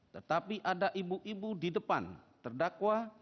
tetapi ada ibu ibu di depan terdakwa